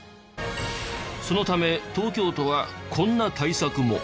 そのため東京都はこんな対策も。